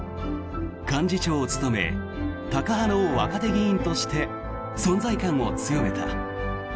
幹事長を務めタカ派の若手議員として存在感を強めた。